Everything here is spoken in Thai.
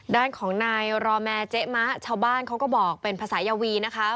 ด้านของนายรอแมร์เจ๊มะชาวบ้านเขาก็บอกเป็นภาษายาวีนะคะ